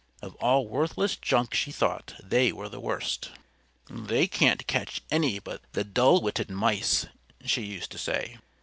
Of all worthless junk she thought they were the worst. "They can't catch any but the dull witted mice," she used to say.